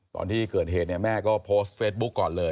ตอนที่เกิดเหตุเนี่ยแม่ก็โพสต์เฟซบุ๊คก่อนเลย